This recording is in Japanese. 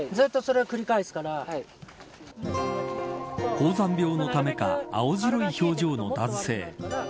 高山病のためか青白い表情の男性。